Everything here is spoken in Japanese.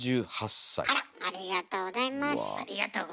ありがとうございます。